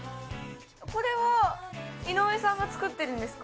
これは井上さんが作ってるんですか？